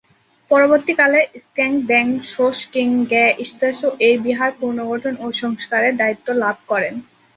পরবর্তীকালে ঙ্গাগ-দ্বাং-ছোস-ক্যি-র্গ্যা-ম্ত্শো এই বিহার পুনর্গঠন ও সংস্কারের দায়িত্ব লাভ করেন।